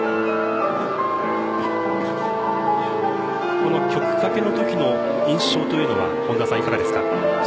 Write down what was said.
この曲かけのときの印象というのはいかがですか？